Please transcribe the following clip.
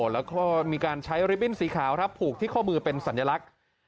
แล้วก็มีการใช้ริบบิ้นสีขาวครับผูกที่ข้อมือเป็นสัญลักษณ์